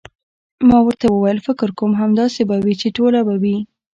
ما ورته وویل: فکر کوم، همداسې به وي، چې ټوله به وي.